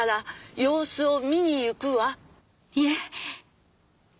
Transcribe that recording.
いえ！